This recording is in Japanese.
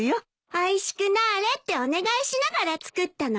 おいしくなあれってお願いしながら作ったのね。